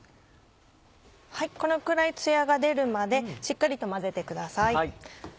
このくらいツヤが出るまでしっかりと混ぜてください。